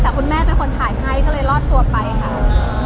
แต่คุณแม่เป็นคนถ่ายให้ก็เลยรอดตัวไปค่ะ